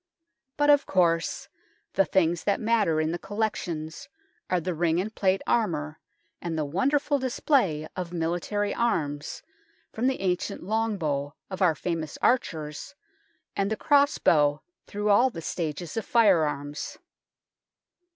But, of course, the things that matter in the collec tions are the ring and plate armour and the wonderful display of military arms, from the ancient long bow of our famous archers and the cross bow through all the stages of fire arms.